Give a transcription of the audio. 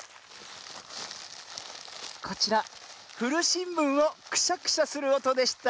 こちらふるしんぶんをクシャクシャするおとでした。